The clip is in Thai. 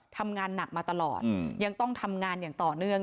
ทำงานหนักมาตลอดยังต้องทำงานอย่างต่อเนื่อง